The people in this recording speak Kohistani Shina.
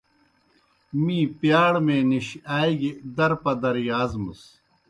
می پِیاڑمے نِش آ گیْ در پدر یازمَس۔